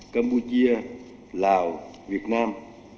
campuchia lào việt nam